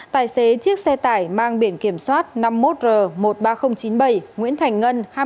tài xế chiếc xe tải mang biển kiểm soát năm mươi một r một mươi ba nghìn chín mươi bảy nguyễn thành ngân